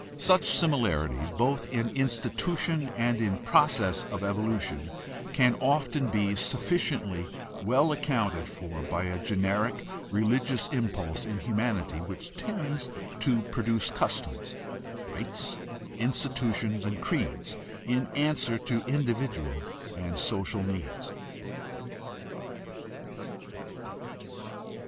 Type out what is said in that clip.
Such similarities, both in institution and in process of evolution, can often be sufficiently well accounted for by a generic religious impulse in humanity, which tends to produce customs, rites, institutions, and creeds in answer to individual and social needs.